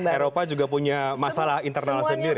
jadi eropa juga punya masalah internal sendiri